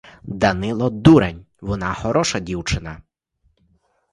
Данило — дурень, вона хороша дівчина.